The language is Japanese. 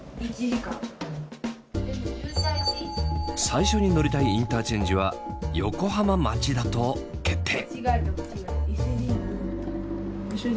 最初に乗りたいインターチェンジは横浜町田と決定。